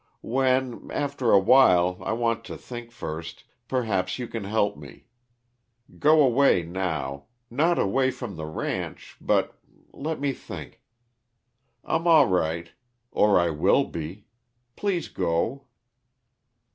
When after a while I want to think first perhaps you can help me. Go away now not away from the ranch, but let me think. I'm all right or I will be. Please go."